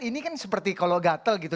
ini kan seperti kalau gatel gitu